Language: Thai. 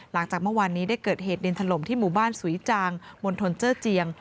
หลังจากเมื่อวานนี้ได้เกิดเหตุดินถล่มที่หมู่บ้านสุยจางมณฑลเจอร์เจียง